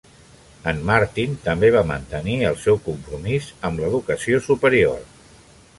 En Martin també va mantenir el seu compromís amb l'educació superior.